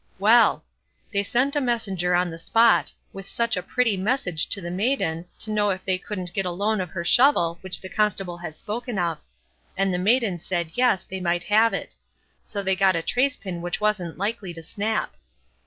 Well! they sent a messenger on the spot, with such a pretty message to the maiden, to know if they couldn't get the loan of her shovel which the Constable had spoken of; and the maiden said "yes", they might have it; so they got a trace pin which wasn't likely to snap.